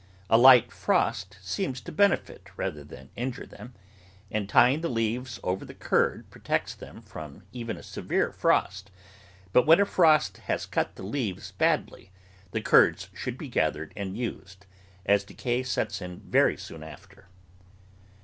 A light frost seems to benefit rather than injure them, and tying the leaves over the curd protects them from even a severe frost, but when a frost has cut the leaves badly, the curds should be gathered and used, as decay sets in very soon after.